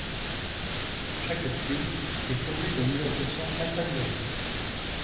Chaque tuile est pourvue d'un identifiant alpha-numérique.